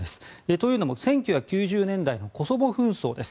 というのも１９９０年代のコソボ紛争です。